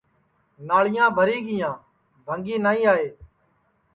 ناݪیاں بھری گیا بھنٚگی نائی آئے